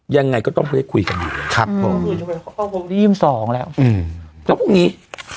ยังไงก็ต้องเคยคุยกันดีกว่าครับผมที่ยี่สองแล้วอืมแล้วพรุ่งนี้